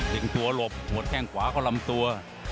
ถึงตัวหลบหัวแข้งขวาเข้าลำตัว